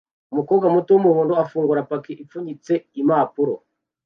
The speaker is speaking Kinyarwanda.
Umukobwa muto wumuhondo afungura paki ipfunyitse impapuro